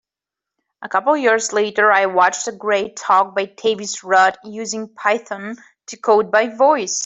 A couple years later I watched a great talk by Tavis Rudd, Using Python to Code by Voice.